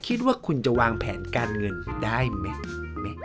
คิดว่าคุณจะวางแผนการเงินได้ไหม